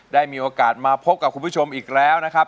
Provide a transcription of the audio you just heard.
ได้มีโอกาสมาพบกับคุณผู้ชมอีกแล้วนะครับ